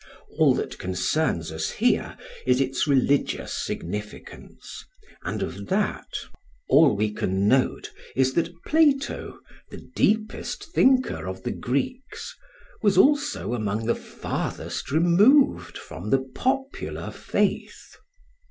All that concerns us here, is its religious significance; and of that, all we can note is that Plato, the deepest thinker of the Greeks, was also among the farthest removed from the popular faith.